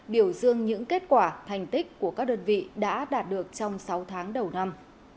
biểu dương những kết quả thành tích của các đơn vị đã đạt được trong sáu tháng đầu năm